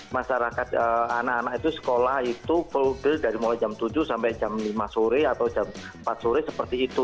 masyarakat anak anak itu sekolah itu full day dari mulai jam tujuh sampai jam lima sore atau jam empat sore seperti itu